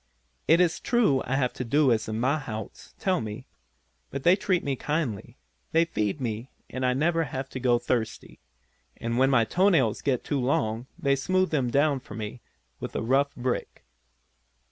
It is true I have to do as the mahouts tell me, but they treat me kindly, they feed me and I never have to go thirsty, and when my toe nails get too long they smooth them down for me with a rough brick.